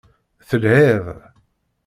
Telhiḍ.